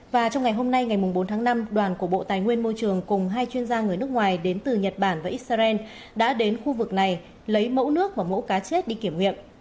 và trong ngày hôm nay ngày bốn tháng năm đoàn của bộ tài nguyên môi trường cùng hai chuyên gia người nước ngoài đến từ nhật bản và israel đã đến khu vực này lấy mẫu nước và mẫu cá chết đi kiểm nghiệm